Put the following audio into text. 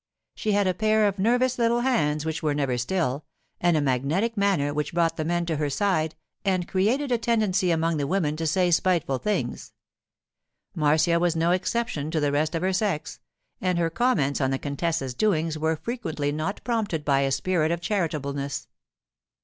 She had a pair of nervous little hands which were never still, and a magnetic manner which brought the men to her side and created a tendency among the women to say spiteful things. Marcia was no exception to the rest of her sex, and her comments on the contessa's doings were frequently not prompted by a spirit of charitableness.